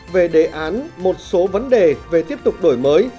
về đề án một số vấn đề về tiếp tục đổi mới